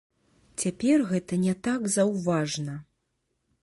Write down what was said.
Цяпер гэта не так заўважна.